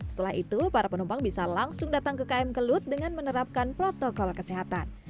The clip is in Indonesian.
setelah itu para penumpang bisa langsung datang ke km kelut dengan menerapkan protokol kesehatan